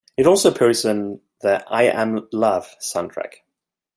It also appears in the I Am Love soundtrack.